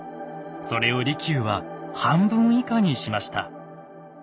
それを利休は半分以下にしました。